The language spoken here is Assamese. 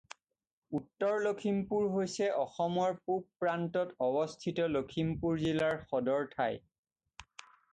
উত্তৰ লখিমপুৰ হৈছে অসমৰ পূব প্ৰান্তত অৱস্থিত লখিমপুৰ জিলাৰ সদৰ ঠাই।